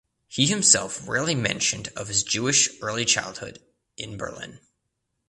He himself rarely mentioned of his Jewish early childhood in Berlin.